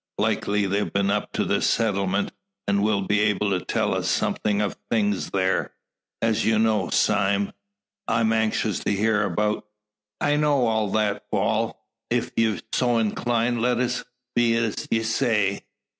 Likely they've been up to the settlement and will be able to tell us something of things there. As you know, Sime, I'm anxious to hear about " "I know all that. Wal, ef you're so inclined, let it be as ye say.